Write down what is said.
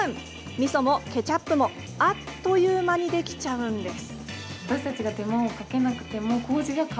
みそもケチャップもあっという間にできちゃうんです。